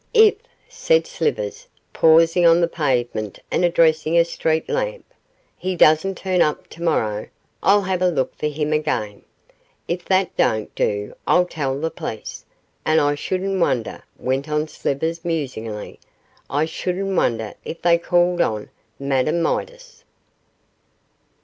'If,' said Slivers, pausing on the pavement and addressing a street lamp, 'he doesn't turn up to morrow I'll have a look for him again. If that don't do I'll tell the police, and I shouldn't wonder,' went on Slivers, musingly, 'I shouldn't wonder if they called on Madame Midas.